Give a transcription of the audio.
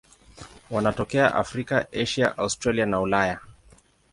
Wanatokea Afrika, Asia, Australia na Ulaya.